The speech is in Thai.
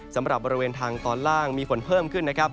สำหรับบริเวณทางตอนล่างมีฝนเพิ่มขึ้นนะครับ